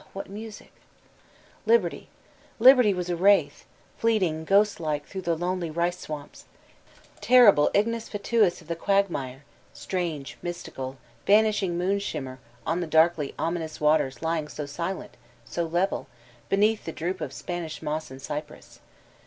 what music I Liberty I Liberty was a wraith, fleeting ghost like through the lonely rice swamps, terrible ignis fatuus of the quagmire, strange, mystical, vanishing moon shimmer on the darkly ominous waters lying so silent, so level, beneath the droop of Spanish moss and cypress